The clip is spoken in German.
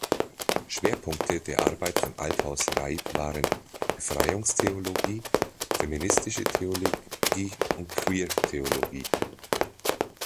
Schwerpunkte der Arbeit von Althaus-Reid waren: Befreiungstheologie, feministische Theologie und Queer-Theologie.